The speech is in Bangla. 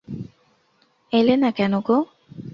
এলে না কেন গো?